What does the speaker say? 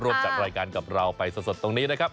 จัดรายการกับเราไปสดตรงนี้นะครับ